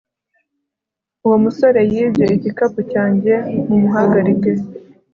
Uwo musore yibye igikapu cyanjye Mumuhagarike